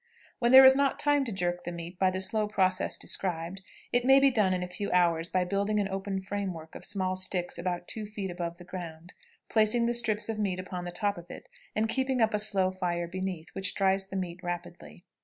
When there is not time to jerk the meat by the slow process described, it may be done in a few hours by building an open frame work of small sticks about two feet above the ground, placing the strips of meat upon the top of it, and keeping up a slow fire beneath, which dries the meat rapidly.